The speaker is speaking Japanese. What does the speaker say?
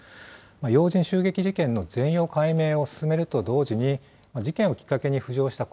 要人襲撃事件の全容解明を進めると同時に、事件をきっかけに浮上した